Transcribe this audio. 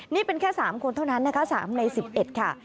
นี่เป็นแค่๓คนเท่านั้นนะคะ๓ใน๑๑ค่ะ